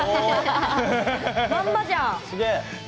まんまじゃん！